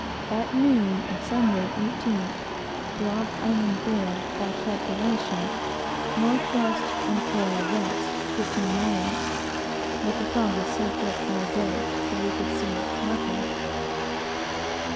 At noon of Sunday, 18th, Block Island bore, by calculation, N. W. 1/4 W. fifteen miles; but the fog was so thick all day that we could see nothing.